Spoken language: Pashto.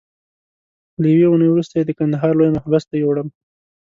له یوې اونۍ وروسته یې د کندهار لوی محبس ته یووړم.